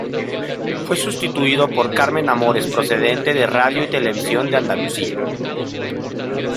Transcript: Fue sustituido por Carmen Amores, procedente de Radio y Televisión de Andalucía.